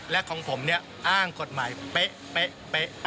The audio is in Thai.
และของผมอ้างกฎหมายเฟะเฟะ